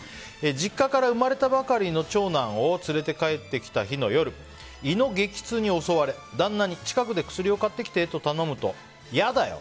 実家から生まれたばかりの長男を連れて帰ってきた日の夜胃の激痛に襲われ、旦那に近くで薬を買ってきてと頼むと嫌だよ！